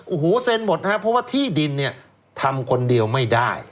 โอ้โหเซ็นหมดนะครับเพราะว่าที่ดินเนี่ยทำคนเดียวไม่ได้